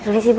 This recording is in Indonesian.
boleh sih bu